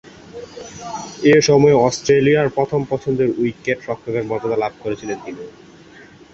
এ সময়ে অস্ট্রেলিয়ার প্রথম পছন্দের উইকেট-রক্ষকের মর্যাদা লাভ করেছিলেন তিনি।